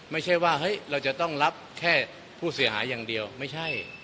ไม่ใช่ว่าเฮ้ยเราจะต้องรับแค่ผู้เสียหายอย่างเดียวไม่ใช่